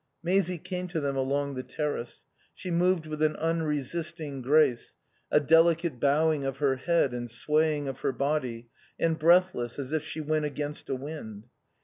Maisie came to them along the terrace. She moved with an unresisting grace, a delicate bowing of her head and swaying of her body, and breathless as if she went against a wind.